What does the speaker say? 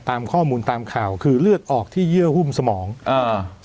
ตามข้อมูลตามข่าวคือเลือดออกที่เยื่อหุ้มสมองอ่า